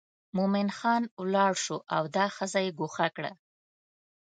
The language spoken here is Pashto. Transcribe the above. مومن خان ولاړ شو او دا ښځه یې ګوښه کړه.